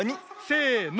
せの。